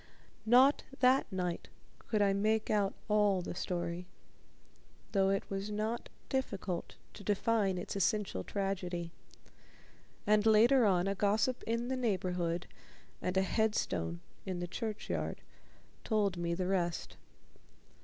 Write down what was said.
Not that night could I make out all the story, though it was not difficult to define its essential tragedy, and later on a gossip in the neighborhood and a headstone in the churchyard told me the rest.